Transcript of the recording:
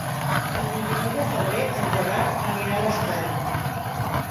El vint-i-nou de febrer en Gerard anirà a l'Estany.